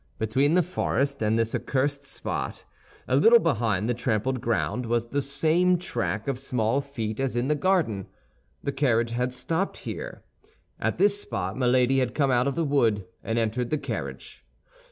Between the forest and this accursed spot, a little behind the trampled ground, was the same track of small feet as in the garden; the carriage had stopped here. At this spot Milady had come out of the wood, and entered the carriage.